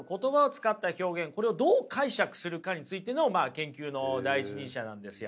これをどう解釈するかについての研究の第一人者なんですよ。